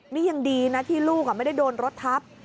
นี่ยังดีนะที่ลูกไม่ได้โดนรถทับ